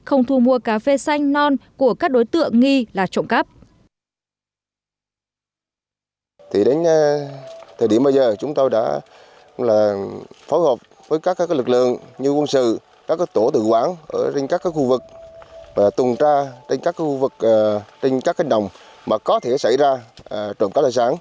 không thu mua cà phê xanh non của các đối tượng nghi là trộm cắp